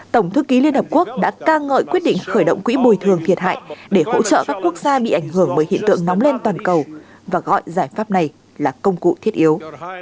tổng thư ký liên hợp quốc đã ca ngợi quyết định khởi động quỹ bồi thường thiệt hại để hỗ trợ các quốc gia bị ảnh hưởng bởi hiện tượng nóng lên toàn cầu và gọi giải pháp này là công cụ thiết yếu